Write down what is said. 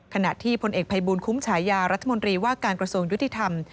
ขณะที่พลเอกภัยบูลคุ้มฉายารัฐมนตรีว่าการกระทรวงยุติธรรม